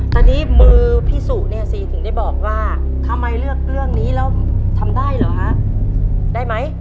ตอนนี้มือพี่สุเนี่ยซีถึงได้บอกว่าทำไมเลือกเรื่องนี้แล้วทำได้เหรอฮะได้ไหม